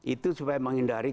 itu supaya menghindari